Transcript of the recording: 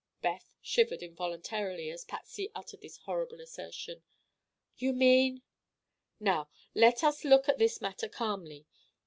Beth shivered involuntarily as Patsy uttered this horrible assertion. "You mean—" "Now, let us look at this matter calmly.